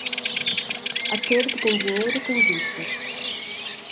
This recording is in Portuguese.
Aquele que tem dinheiro tem vícios.